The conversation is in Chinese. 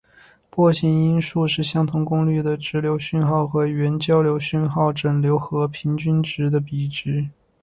波形因数是相同功率的直流讯号和原交流讯号整流后平均值的比值。